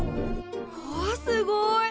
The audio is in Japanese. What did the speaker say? うわすごい！